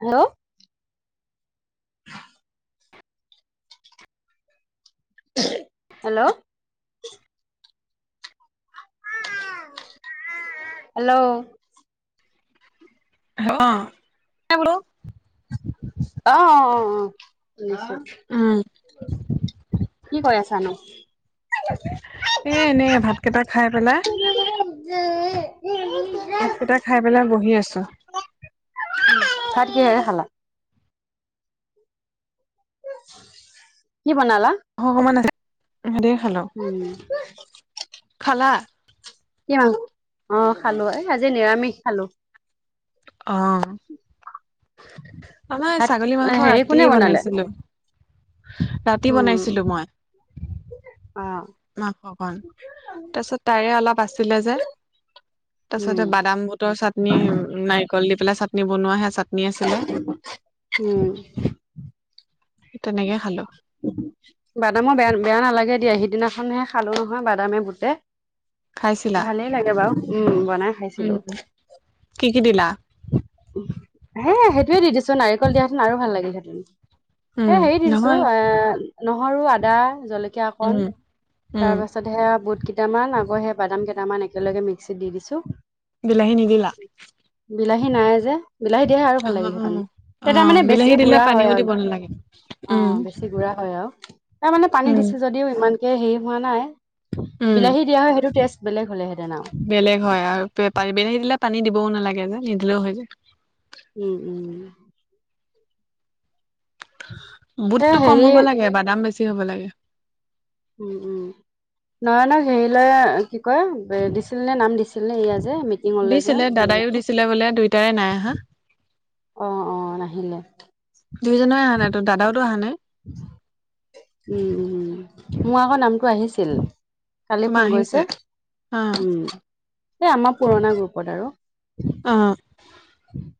Hello, [inaudible] hello, hello, [unintelligible] অ অ অ শুনিছোঁ। কি কৰি আছানো। এ এনেই ভাত কেইটা খাই পেলাই। [unintelligible] ভাত কেইটা খাই পেলাই বহি আছো। ভাত কিহেৰে খালা? কি বনালা? অ অকমান আছে সেইতি খালো উম খালা। কি মাংস অ খালো এই আজি নিৰামিষ খালো। অ আমাৰ ভাত ছাগলী মাংসৰ হেৰি কোনে ৰাতিয়ে বনালে বনাইছিলো। ৰাতি উম বনাইছিলো অ, মাংসকণ তাৰপিছত তাইৰে অলপ আছিলে যে তাৰ উম পাছতে বাদাম বুটৰ চাটনি উম নাৰিকল দি পেলাই চাটনি বনোৱাহে চাটনি আছিলে উম তেনেকে খালো। বাদামৰ বেয়া বেয়া নালাগে দিয়া সিদিনাখনহে খালো নহয় বাদামে বুটে। খাইছিলা ভালেই লাগে বাৰু উম বনাই উম খাইছিলোঁ। কি কি দিলা? হে সেইটোযৱে দি দিছো নাৰিকল দিয়াহেতেন আৰু ভাল লাগিল হেঁতেন। উম এ হেৰি দি দিছো নহয় এ নহৰু আদা জলক কীয়া অকণ উম উম তাৰ পাছত তাৰপিছতে বুট কেইটামান আকৌ সেই বাদাম কেইটামান একেলগে মিক্সিত দি দিছোঁ। বিলাহী নিদিলা? বিলাহী নাই যে, বিলাহী দিয়াহে আৰু অ ভাল অ লাগিলহেঁতেন, অ তেতিয়া মানে বিলাহী বেছি দিলে গুঢ়া হয় পানীও আৰু। দিব নালাগে অ উম বেছি গুঢ়া হয় আৰু। তাৰ মানে পানী উম, দিছো যদিও ইমানকে হেৰি হোৱা নাই, উম, বিলাহী দিয়া সেইটো টেষ্ট বেলেগ হ'লেহেঁতেন আৰু। বেলেগ হয় আৰু বেলাহী দিলে পানী দিবও নালাগে যে নিদিলেও হৈ যায়। উম উম। [inaudible] বুটটো কম হেৰি হ'ব লাগে বাদাম বেছি হ'ব লাগে। উম উম। নয়নক হেৰিলৈ কি কয় দিছিল নে নাম দিছিল নে এইয়া যে আমি দিছিলে দাদায়ও দিছিলে বোলে দুইটাৰে নাই আহা। অ অ নাহিলে। দুয়োজনে অহা নাই তোৰ, দাদাওটোৰ অহা নাই। উম মোৰ আকৌ নামটো আহিছিল। কালি তোমাৰ ফোন আহিছে কৰিছে, অ', উম এই আমাৰ পুৰণা গ্ৰুপত আৰু। অ। [inaudible]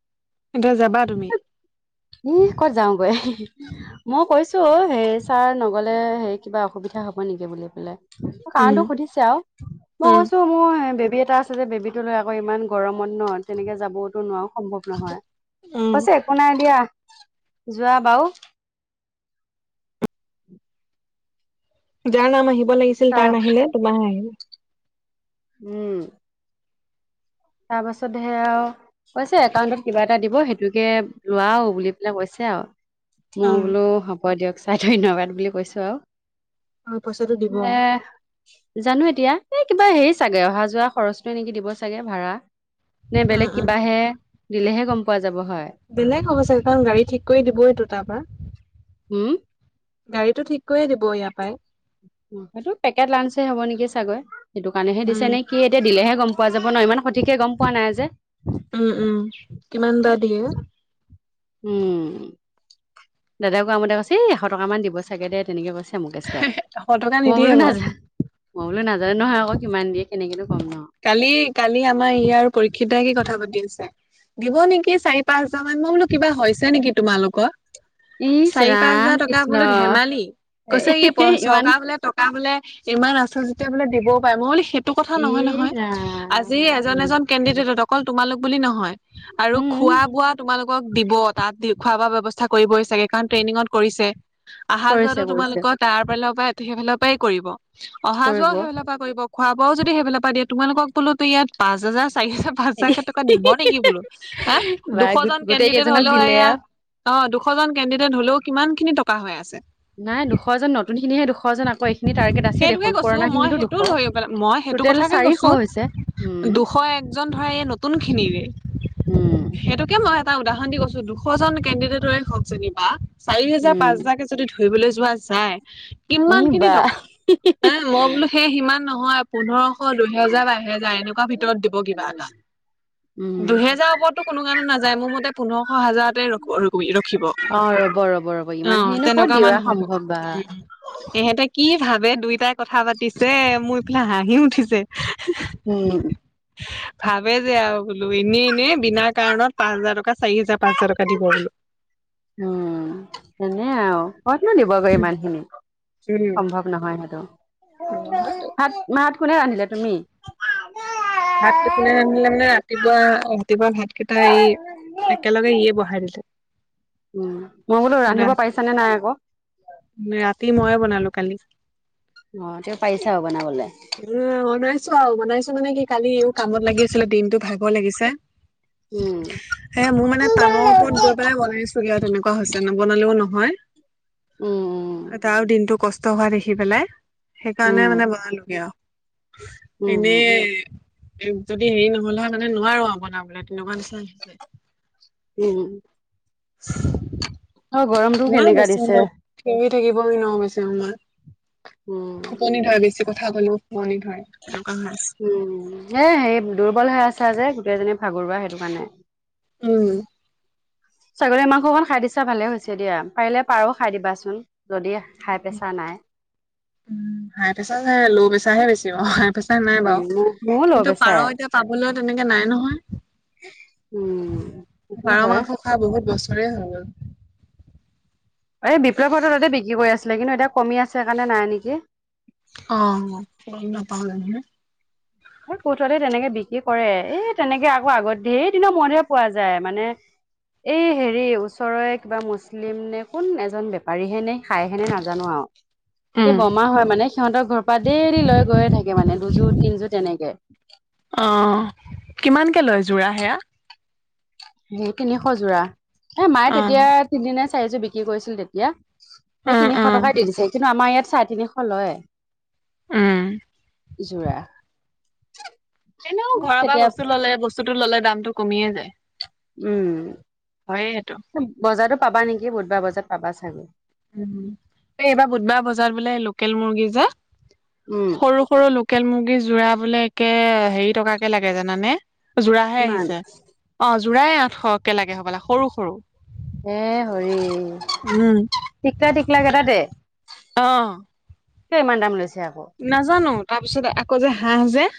এতিয়া যাবা তুমি? ই ক'ত যাওঁ গৈ মই কৈছো সেই ছাৰ নগ'লে সেই কিবা অসুবিধা হ'ব নেকি বুলি পেলাই। উম, কাৰণটো সুধিছে আৰু মই উম, কৈছো মোৰ বেবী এটা আ যে বেবীটো লৈ আকৌ ইমান গৰমত ন তেনেকে যাবওতো নোৱাৰোও সম্ভৱ নহয়, উম। কৈছে একো নাই দিয়া। যোৱা বাৰু যাৰ নাম আহিব লাগিছিল তাৰ নাহিলে তোমাৰে আহিল। উম। তাৰপাছত সেয়া আউ কৈছে একাউণ্টত কিবা এটা দিব, সেইটোকে লোৱাও বুলি পেলাই কৈছে আৰু। মই অ', বোলো হ'ব দিয়ক ছাৰ ধন্যবাদ বুলি কৈছো আৰু। অ', পইচাটো দিব [unintelligible] জানো এতিয়া এ কিবা হেৰি চাগে অহা যোৱা খৰচটোৱে নেকি দিবাগে ভাড়া। নে অ', বেলেগ অ'। কিবাহে দিলেহে গম পোৱা যাব হয়। বেলেগ হ'ব চাগে কাৰণ গাড়ী ঠিক কৰি দিবই তাৰপৰা। হম? গাড়ীটো ঠিক কৰিয় দিব ইয়াৰ পৰাই। সেইটো পেকেট লাঞ্চে হ'ব নেকি চাগৈ, সেইটো কাৰণেহে উম, দিছে নে কি এতিয়া দিলেহে গম পোৱা যাব ন ইমান সঠিকে গম পোৱা নাই যে। উম উম কিমান বা দিয়ে। উম। দাদাই কোৱা মতে কৈছে এ এশ টকা মান দিব চাগে দে তেনেকে কৈছে। [unintelligible] এশ টকা মই নিদিয়ে বোলো বাৰু। নাজা মই বোলো নাজানো নহয় আকৌ কিমান দিয়ে কেনেকেনো কম নহ। কালি কালি আমাৰ ই আৰু পৰীক্ষিত দাই কি কথা পাতি আছে, দিব নেকি চাৰি পাঁচ হাজাৰ মান, মই বোলো কিবা হৈছে নেকি তোমালোকৰ। ইচ চাৰি পাঁচ ৰাম হাজাৰ টকা কৃষ্ণ বোলো ধেমালি, এ কৈছে ই ইমান চৰকাৰ বোলে ট টকা বোলে ইমান আছে যেতিয়া বোলে দিবও পাৰে, মই বোলো সেইটো কথা নহয় নহয়। জা আজি এজন এজন কেণ্ডিডেটত অকল তোমালোক বুলি নহয় আৰু উম খোৱা বোৱা তোমালোক কক দিব তাত দি খোৱা বোৱা ব্যৱস্থা কৰিবই চাগে। কাৰণ ট্ৰেইনিঙত কৰিছে, আহা কৰিছে যোৱাতো কৰিছে তোমালোকৰ তাৰ ফালৰ পৰা সেইফালৰ পৰাই কৰিব। অহা কৰিব যোৱাও সেইফালৰ পৰা কৰিব খোৱা বোৱাও যদি সেইফালৰ পৰা দিয়ে তোমালোকক বোলো তো ইয়াত পাঁচ হাজাৰ চাৰি হাজাৰ পাঁচ হাজাৰকে টকা দিব নেকি বোলো, হা বা দুশ গো- জন গোটেই কেণ্ডিডেট কেইজনক হলেও দিলে এয়া আও অ', দুশজন কেণ্ডিডেট হলেও কিমান খিনি টকা হৈ আছে। নাই দুশজন নতুন খিনিহে দুশজন আকৌ এইখিনি টাৰ্গেট আছে সেইটোকে দেখোন কৈছো পুৰণা মই খিনিতো সেইটো দুশ। ধৰি পেলাই মই সেইটো টোটেল কথাকে চাৰিশ কৈছো। হৈছে উম দুশ একজন ধৰা এই নতুন খিনিৰে, উম সেইটো কিয় মই এটা উদাহৰণ দি কৈছোঁ, দুশজন কেনডিডেটৰে হওঁক যেনিবা চাৰি হেজাৰ উম পাঁচ হাজাৰকে যদি ধৰিবলৈ যোৱা যায়, কিমান ই খিনি বা টকা, হা মই বোলো সেই সিমান নহয় পোন্ধৰশ, দুহেজাৰ বা এহেজাৰ এনেকুৱা ভিতৰত দিব কিবা এটা। উম দুহেজাৰৰ ওপৰতো কোনো কাৰণে নাযায় মোৰ মতে পোন্ধৰশ হাজাৰতে ৰ-ৰখিব। অ', ৰ'ব, ৰ'ব, ৰ'ব, ইমান খিনি নো ক'ত দিওৱা সম্ভৱ বা। সেহেঁতে কি ভাবে দুইটাই কথা পাতিছে মোৰ ইফালে হাঁহি উঠিছে। উম। ভাবে যে আৰু বোলো এনেই এনে বিনা কাৰণত পাঁচ হাজাৰ টকা চাৰি হাজাৰ পাঁচ হাজাৰ টকা দিব বোলো। [inaudible] উম, এনে আৰু ক'তনো দিবগৈ ইমান খিনি, উম সম্ভৱ নহয় সেইটো, নহয়তো ভাত ভাত কোনে ৰান্ধিলে তুমি? ভাত কোনে ৰান্ধিলে মানে ৰাতিপুৱা ৰাতিপুৱা ভাত কেইটা এই একেলগে ইয়ে বঢ়াই দিলে। উম, মই বোলো খুদা ৰান্ধিব পাৰিছ নে নাই আকৌ। ৰাতি ময়ে বনালো কালি। অ', তেও পাৰিছা আৰু বনাবলে? বনাইছোঁ আৰু বনাইছোঁ মানে কি কালি ইও কামত লাগি আছিলে দিনটো ভাগৰ লাগিছে। উম। হে মোৰ মানে উম, টানৰ ওপৰত গৈ পেলাই বনাইছোগে আৰু তেনেকুৱা হৈছে নবনালেও নহয়। উম, তাৰো দিনটো কষ্ট হোৱা দেখি পেলাই, সেইকাৰণে উম, মানে বনালোগে আৰু। এনে উম, যদি হেৰি নহলে হয় মানে নোৱাৰো আৰু বনাবলে তেনেকুৱা নিচিনা হৈছে উম। [inaudible] অ গৰমটো [unintelligible] কেনেকা বেচো দিছে। মই থি [unintelligible] থাকিবলে [unintelligible] উম, ফোপনি ধৰে বেছি কথা কলেও, [unintelligible] পনি ধৰে। তেনেকুৱা হৈ আছে উম, এ হে দুৰ্বল হৈ আছা যে গোটেই এজনী ভাগৰুৱা সেইটো কাৰণে। উম। ছাগলী মাংস অকণ খাই দিছা ভালে হৈছে দিয়া, পাৰিলে পাৰ খাই দিবাচোন যদিহে হাই প্ৰেছাৰ নাই। উম, হাই প্ৰেছাৰ নাই ল' প্ৰেছাৰ হে বেছি বাৰু, হাই প্ৰেছাৰ নাই উম, বাৰু, মোৰ মোৰো ল' কিন্তু পাৰ প্ৰেছাৰে। এতিয়া পাবলৈ তেনেকে নাই নহয়, উম সেইটো পাৰ হয় মাংস বহুত বছৰে হৈ গ'ল। এই বিপ্লৱ হতৰ তাতে বিক্ৰী কৰি আছিলে কিন্তু এতিয়া কমি আছে সেইকাৰণে নাই নেকি। অঁ গম নাপাওঁ নহয়। বহুততে তেনেকে বিক্ৰী কৰে, এ তেনেকে আকৌ আগত ধেৰ দিনৰ মূৰত হে পোৱা যায় মানে এই হেৰি ওচৰৰে কিবা মুছলিম নে কোন এজন বেপাৰী হেনে খায়হেনে নাজানো আও। সেই উম, বৰমা হয় মানে, সিহঁতৰ ঘৰৰ পৰা ডেইলি লৈ গৈয়ে থাকে মানে দুযোৰ তিনযোৰ তেনেকে। অঁ কিমানকে লয় যোৰা সেয়া? সেই তিনিশ যোৰা, এ মায়ে তেতিয়া অ', তিনি নে চাৰিযোৰ বিক্ৰী কৰিছিল তেতিয়া। সেই উম, তিনিশ উম, টকাই দি দিছে, কিন্তু আমাৰ ইয়াত চাৰে তিনিশ লয়। উম। যোৰা এনেও ঘৰৰ পৰা তেতিয়া বস্তু ল'লে বস্তুতটো ল'লে দামটো কমিয়ে যায়। উম। হয়ে সেইটো। বজাৰটো পাবা নেকি বুধবাৰ বজাৰত পাবা চাগে। উম, এই এইবাৰ বুধবাৰ বজাৰ বোলে লোকেল মুৰ্গী যে উম সৰু সৰু লো লোকেল মুৰ্গী যোৰা বোলে একে হেৰি টকাকে লাগে জানা নে যোৰাহে কিমান আহিছে অ জোৰাই আঠশকে লাগে হ'বলা সৰু সৰু। এ হৰি উম, টিকলা টিকলা কেইটাতে? অঁহ। কিয় ইমান দাম লৈছে আক? নাজানো তাৰপিছতে আকৌ যে হাঁহ যে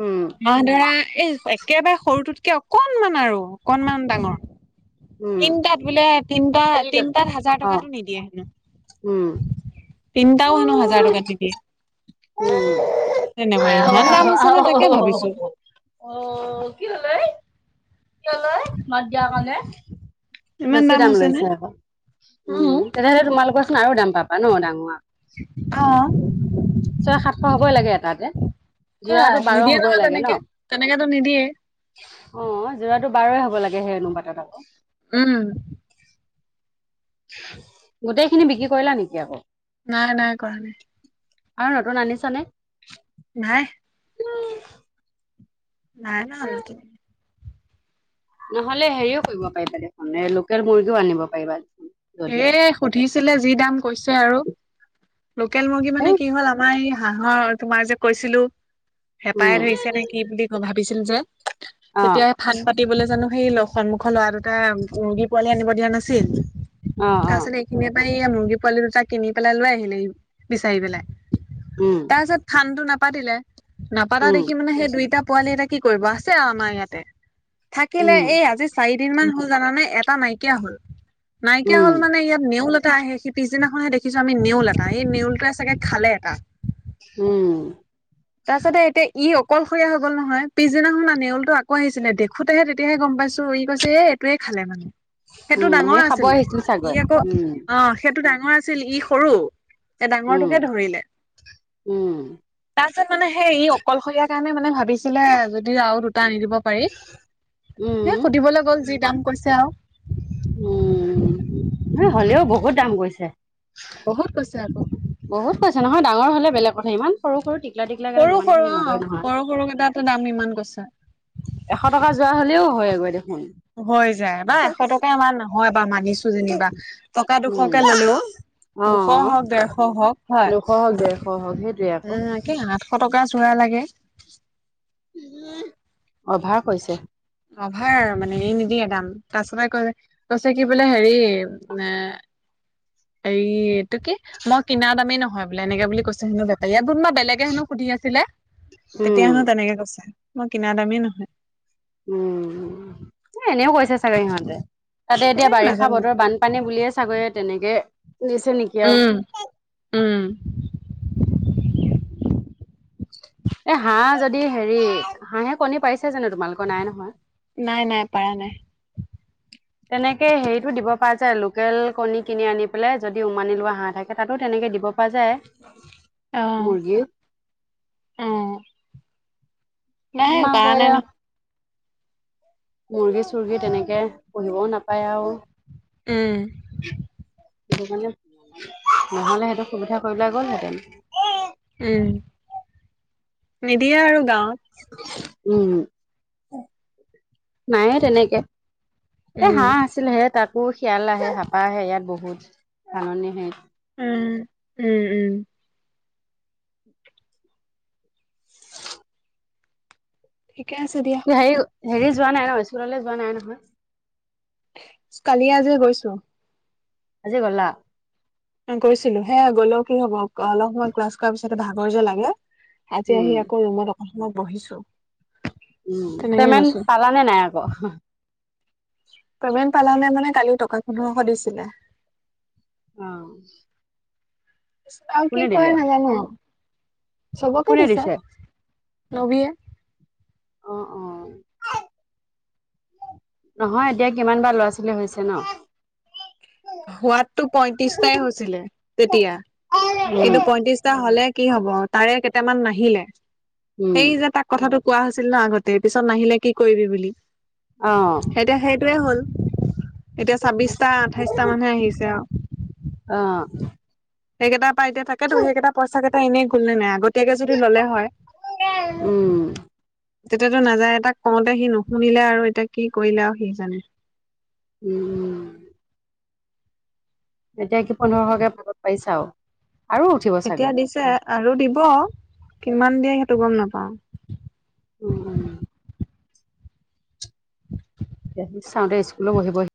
উম। হাঁহ ধৰা এই একেবাৰে সৰুটোতকে অকনমান আৰু অকনমান ডাঙৰ উম তিনটাত বোলে তিনটা তিনটাত হাজাৰ অ টকাটো নিদিয়ে হেনো! উম। তিনিটাও হেনো হাজাৰ টকাত নিদিয়ে! তেনেকুৱা ইমান দাম হৈছে নে তাকে ভাবিছো [unintelligible] অ কি হল ঐ? কি হল ঐ মাত দিয়া কাৰণে! ইমান বেছি দাম হৈছে নে লৈছে আকৌ, উম। তেতিয়াহ'লে তোমালোকৰচোন আৰু দাম পাবা ন ডাঙৰ অঁ। ছয় সাতশ হবই লাগে এটাতে। সেয়াই যোৰাতটো বাৰ নিদিয়ে হবই নহয় লাগে ন? তেনেকে তেনেকেতো নিদিয়ে অ যোৰাটো বাৰই হ'ব লাগে সেই অনুপাতত আক। উম। গোটেই খিনি বিক্ৰী কৰিলা নেকি আকৌ? নাই নাই কৰা নাই। আৰু নতুন আনিছনে? নাই। নাই অনা আৰু নতুন। নহ'লে হেৰিও কৰিব পাৰিবা দেখোন, এ লোকেল মুৰ্গীও আনিব পাৰিবা দেখোন! হে সুধিছিলে যি দাম কৈছে আৰু লোকেল মুৰ্গী মানে কি হ'ল আ আমাৰ এই হাঁহৰ তোমাৰ যে কৈছিলো হেঁপাই ধৰিছে নে উম কি বুলি ভাবিছিল যে, অ', তেতিয়া ফান্দ পাতিবলে জানো সেই ল সন্মুখৰ ল'ৰা দুটাই, মুৰ্গী পোৱালি আনিব দিয়া নাছিল? অ', অ', তাৰপিছত এইখিনিয়ে পৰা এইয়া মুৰ্গী পোৱালি দুটা কিনি পেলাই লৈ আহিলে ই বিচাৰি পেলাই। উম। তাৰ পিছত ফান্দটো নাপাতিলে নাপাতা উম, দেখি মানে সেই দুইটা পোৱালি এ কি কৰিব আছে আৰু আমাৰ ইয়াতে থাকিলে উম, এই আজি চাৰি দিন মান হ'ল জানানে এটা নাইকিয়া হ'ল নাইকিয়া উম, হ'ল মানে ইয়াত নেউল এটা আহে সি পিছদিনাখনহে দেখিছো আমি নেউল এটা এই নেউলটোৱে চাগে খালে এটাক উম। তাৰ পাছতে এতিয়া ই অকলশৰীয়া হৈ গল নহয় পিছদিনাখনি নেউলতটো আকৌ আহিছিলে দেখোতে তেতিয়াহে গম পাইছো ই পাইছো যে এইটোৱে খালে মানে। সেইটো উম, সেই ডাঙৰ খাব আছিলে আহিছিল ই চাগৈ। আকৌ উম, অ সেইটো ডাঙৰ আছিল ই সৰু। এ উম, ডাঙৰটোকে ধৰিলে। উম। তাৰপিছত মানে সেই ই অকলশৰীয়াৰ কাৰণে মানে ভাবিছিলে যদি আৰু দুটা আনি দিব। পাৰি হ উম, সুধিবলৈ গ'ল যি দাম কৈছে আৰু? উম নহ হলেও বহুত দাম কৰিছে? বহুত কৈছে আকৌ? বহুত খাইছে নহয় ডাঙৰ হলে বেলেগ কথা ইমান সৰু সৰু টিকলা টিকলা কে ইমানখিনি নহয় নহয়। সৰুকেইটাত ত দাম ইমান কৈছে? এশ টকা যোৱা হলেও হয় একবাৰ দেখোন। হৈ যায় বা এশ টকা ইমান নহয় বা মানিছো যেনিবা টকা উম, দুশকে ললেও দুশ হওক দেৰশ হওক হয়। সহজ যায় সহজ সেইটো। উম একে আতশ টকা যোৰা লাগে। অভাৰ কৈছে। অভাৰ আৰু মানে এই নিদিয়ে দাম তাৰ পছতে কয় যে কৈছে কি বোলে হেৰি এ এই এইটো কি মই কিনাৰ দামেই নহয় বোলে এনেকে বুলি কৈছো হেনো বেপাৰীয়ে এইটো কিবা মই বেলেগ তেতিয়া হেনো সুধি আছিলে তেতিয়া উম। হেনো তেনেকে কৈছে মই কিনা দামেই নহয়। উম এ এনেও কৈছে চাগে ইহঁতে। তাতে এ এতিয়া বাৰিষা নাজানো বতৰ বানপানী বুলিয়ে চাগে তেনেকে দিছে নেকি আৰু উম উম। এ হাঁহ যদি হেৰি হাঁহে কণী পাৰিছে জানো তোমালোকৰ নাই নহয়। নাই নাই পাৰা নাই। তেনেকে হেৰিতো দিব প যায় লোকেল কণী কিনি আনি পেলাই যদি উমানি লোৱা হাঁহ থাকে এটাতো তেনেকে দিব পৰা যায়। অ মুৰ্গীৰ অ নাই তাৰ আমাৰ আকৌ পৰা এয়া নান মুৰ্গী চৰ্গী তেনেকে কোনেও নাপায় আৰু উম। সেইটো কাৰণে নহলে সেইটো সুবিধা কৰিলে গ'লহেঁতেন। উম নিদিয়ে আৰু গাঁৱত্ উম নাই তেনেকে এ উম হাঁহ আছিল হে তাত? কোৰ শিয়াল আহে হেপা আহে ইয়াত বহুত ধাননি আহে। উম-উম-উম। ঠিকে আছে দিয়া। হেৰি হেৰি যোৱা নাই নহয় স্কুললৈ যোৱা নাই নহয়। কালি আজি গৈছো। আজি গলা কৈছিলো হে গ'লেও কি হব অলপ সময় ক্লাছ কৰাৰ পিছতে ভাগৰ যে লাগে আজি আহি উম আকৌ ৰুমত অক মই বহিছো উম তেনেকে পেমেণ্ট গৈছো পালা নে নাই আকৌ পেমেণ্ট পালা নে মানে কালি টকা পোন্ধৰ শ দিছিলে। অ আৰু কি কোনে কয় দিলে নাজানো চবকে কোনে দিছা দিছে নবিয়ে। অ অ নহয় এতিয়া কিমান বাৰ ল'ৰা ছোৱালী হৈছে ন! হোৱাতটো পইয়ত্ৰিশটাই হৈছিলে তেতিয়া উম কিন্তু পইয়ত্ৰিশটা হ'লে কি হ'ব তাৰে কেইটামান নাহিলে উম সেই যে তাক কথাটো কোৱা হৈছিল ন আগতে পিছত নাহিলে কি কৰিবি বুলি। অ এতিয়া সেইটোয়ে হ'ল এতিয়া ছাব্বিশটা আঠাইশটা মানহে আহিছে আৰু। অ একেইটা পাই এতিয়া তাকেতো সেইকেইটা পইচাকেইটা এনেই গ'ল নে নাই আগত -তীয়াকে যদি ল'লে হয়। উম তেতিয়াতো নাযায় এ তাক কওঁতে সি নুশুনিলে আৰু এতিয়া কি কৰিলে আৰু সি হে জানে। উম উম এতিয়া কি পোন্ধৰশকে ভাগত পাইছা আৰু উঠিব এতিয়া চাগৈ। দিছে আৰু দিব কিমান দিয়ে সেইটো গম নাপাও। উম উম চাওঁতে স্কুলো বহিবহি